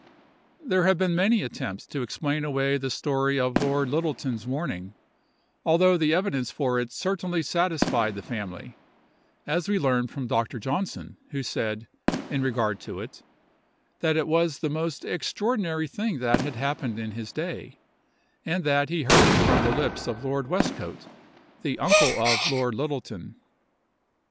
There have been many attempts to explain away the story of Lord Littleton's warning, although the evidence for it certainly satisfied the family, as we learn from Dr. Johnson, who said, in regard to it, that it was the most extraordinary thing that had happened in his day, and that he heard it from the lips of Lord Westcote, the uncle of Lord Littleton.